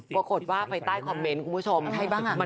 ปกติว่าไปใต้คอมเม้นต์ของคุณผู้ชม